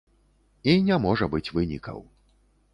І не можа быць вынікаў.